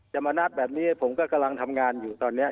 มานัดแบบนี้ผมก็กำลังทำงานอยู่ตอนนี้